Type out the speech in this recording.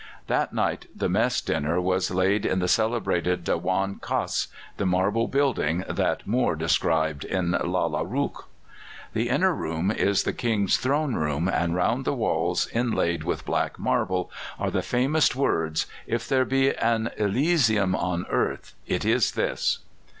That night the mess dinner was laid in the celebrated Dewan Khas, the marble building that Moore describes in "Lalla Rookh." The inner room is the King's throne room, and round the walls, inlaid with black marble, are the famous words: "If there be an elysium on earth, it is this."